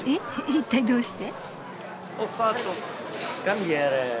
一体どうして？